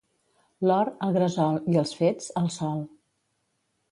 L'or, al gresol; i els fets, al sol.